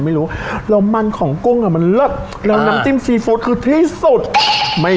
ดีขนาดนี้อีกแล้ว